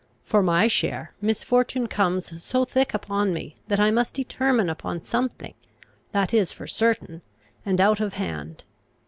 For my share, misfortune comes so thick upon me, that I must determine upon something (that is for certain), and out of hand.